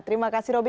terima kasih roby